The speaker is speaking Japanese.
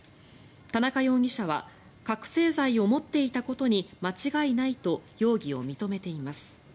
田中容疑者は覚醒剤を持っていたことに間違いないと容疑を認めています。